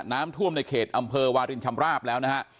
น้ำท่วมในเขตอำเภอวารินชำราบแล้วนะฮะ